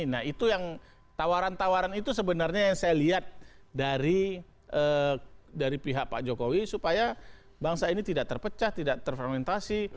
nah itu yang tawaran tawaran itu sebenarnya yang saya lihat dari pihak pak jokowi supaya bangsa ini tidak terpecah tidak terfermentasi